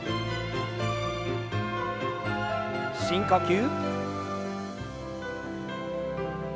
深呼吸。